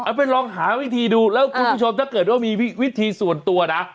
ไปลองหาวิธีดูแล้วคุณผู้ชมถ้าเกิดว่ามีวิธีส่วนตัวนะ